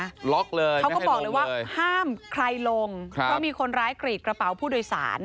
ล็อกเลยเขาก็บอกเลยว่าห้ามใครลงครับเพราะมีคนร้ายกรีดกระเป๋าผู้โดยสาร